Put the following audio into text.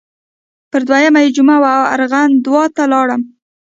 پر دویمه یې جمعه وه ارغنداو ته لاړم.